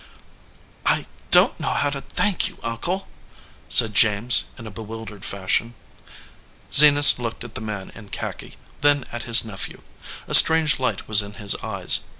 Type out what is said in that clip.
"I don t know how to thank you, uncle," said James, in a bewildered fashion. Zenas looked at the man in khaki, then at his nephew. A strange light was in his eyes.